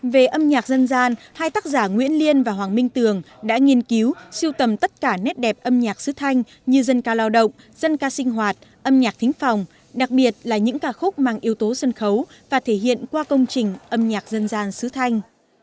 về âm nhạc dân gian hai tác giả nguyễn liên và hoàng minh tường đã nghiên cứu siêu tầm tất cả nét đẹp âm nhạc sứ thanh như dân ca lao động dân ca sinh hoạt âm nhạc thính phòng đặc biệt là những ca khúc mang yếu tố sân khấu và thể hiện qua công trình âm nhạc dân gian xứ thanh